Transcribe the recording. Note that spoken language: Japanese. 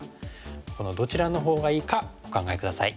このどちらのほうがいいかお考え下さい。